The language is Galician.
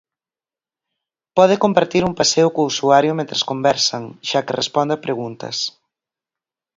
Pode compartir un paseo co usuario mentres conversan, xa que responde a preguntas.